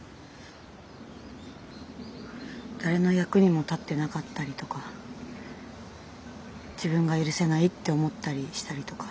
誰の役にも立ってなかったりとか自分が許せないって思ったりしたりとか。